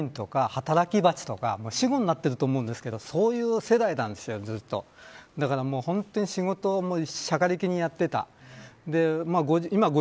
モーレツ社員とか働き蜂とか死語になっていると思うんですけどそういう世代なんですよ、ずっと仕事をしゃかりきにやっていた。